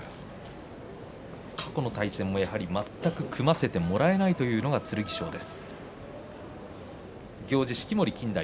過去の対戦も全く組ませてもらえないっていうのが剣翔です。